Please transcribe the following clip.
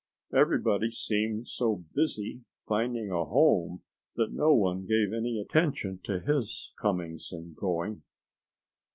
Everybody seemed so busy finding a home that no one gave any attention to his coming and going.